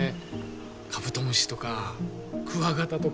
カブトムシとかクワガタとか。